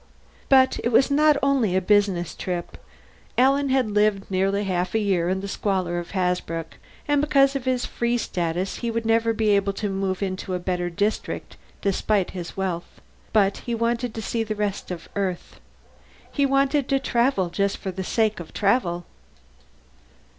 But it was not only a business trip. Alan had lived nearly half a year in the squalor of Hasbrouck and because of his Free Status he would never be able to move into a better district, despite his wealth. But he wanted to see the rest of Earth. He wanted to travel just for the sake of travel.